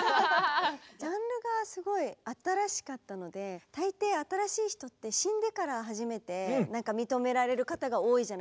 ジャンルがすごい新しかったので大抵新しい人って死んでから初めて認められる方が多いじゃないですか。